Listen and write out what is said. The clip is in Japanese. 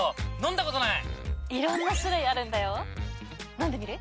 飲んでみる？